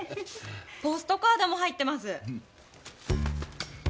ポストカードも入ってます。